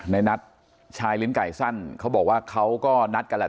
ในนัดชายลิ้นไก่สั้นเขาบอกว่าเขาก็นัดกันแหละ